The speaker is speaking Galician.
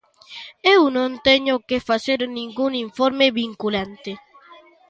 Eu non teño que facer ningún informe vinculante.